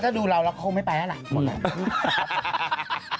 ถ้าดูเราระเขาไม่ไปแล้วล่ะ